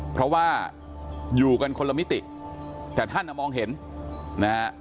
เพราะว่าอยู่กันคนละมิติแต่ท่านมองเห็นนะฮะ